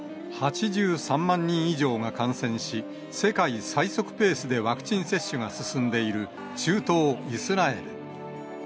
８３万人以上が感染し、世界最速ペースでワクチン接種が進んでいる、中東イスラエル。